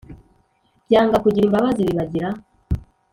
Byanga kugira imbabazi bibagira